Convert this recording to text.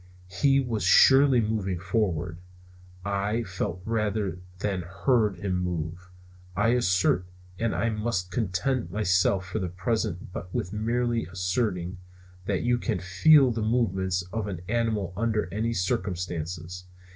He was surely moving forward. I felt rather than heard him move. I assert and I must content myself for the present with merely asserting that you can feel the movements of an animal under such circumstances.